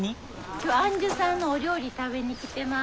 今日は庵主さんのお料理食べに来てます。